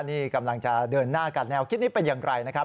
นี่กำลังจะเดินหน้ากันแนวคิดนี้เป็นอย่างไรนะครับ